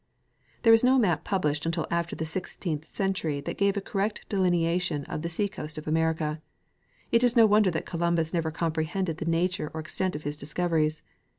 There was no map published until after the sixteenth century that gave a correct delineation of the seacoast of America. It is no wonder that Columbus never comprehended the nature or ex tent of his discoveries.